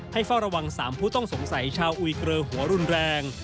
เฝ้าระวัง๓ผู้ต้องสงสัยชาวอุยเกรอหัวรุนแรง